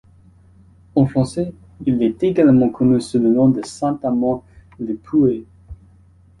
En français il est également connu sous le nom de Saint-Amand-lez-Puers.